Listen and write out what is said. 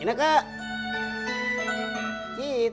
tidak ada orang bisaderi